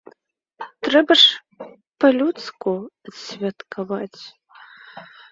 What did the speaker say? Трэба ж па-людску адсвяткаваць.